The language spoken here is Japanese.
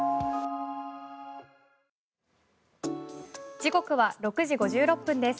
時刻は６時５６分です。